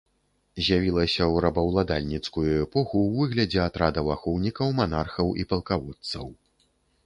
З'явілася ў рабаўладальніцкую эпоху ў выглядзе атрадаў ахоўнікаў манархаў і палкаводцаў.